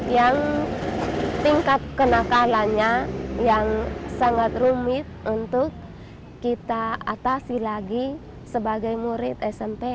yang tingkat kenakalannya yang sangat rumit untuk kita atasi lagi sebagai murid smp